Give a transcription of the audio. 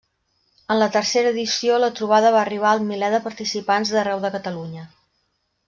En la tercera edició la trobada va arribar al miler de participants d'arreu de Catalunya.